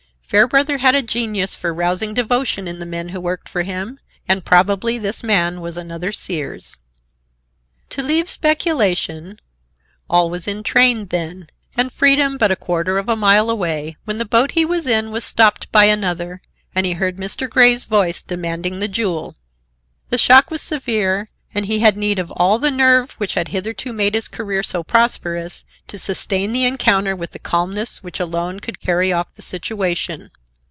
Fairbrother had a genius for rousing devotion in the men who worked for him, and probably this man was another Sears. To leave speculation, all was in train, then, and freedom but a quarter of a mile away, when the boat he was in was stopped by another and he heard Mr. Grey's voice demanding the jewel. The shock was severe and he had need of all the nerve which had hitherto made his career so prosperous, to sustain the encounter with the calmness which alone could carry off the situation.